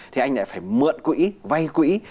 thì anh lại phải mượn quỹ vay quỹ